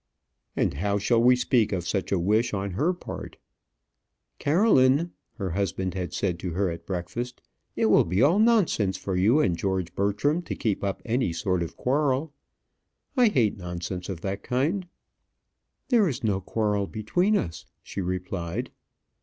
And how shall we speak of such a wish on her part? "Caroline," her husband had said to her at breakfast, "it will be all nonsense for you and George Bertram to keep up any kind of quarrel. I hate nonsense of that sort." "There is no quarrel between us," she replied.